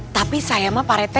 tapi saya mah parete